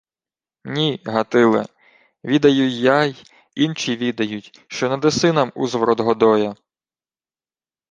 — Ні, Гатиле. Відаю й я, й инчі відають, що не даси нам узворот Годоя.